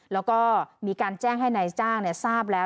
แล้วก็มีการแจ้งให้นายจ้างทราบแล้ว